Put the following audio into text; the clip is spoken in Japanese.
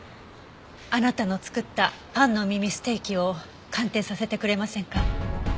あなたの作ったパンの耳ステーキを鑑定させてくれませんか？